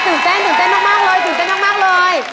ตื่นเต้นตื่นเต้นมากเลย